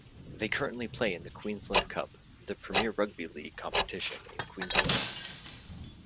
They currently play in the Queensland Cup, the premier rugby league competition in Queensland.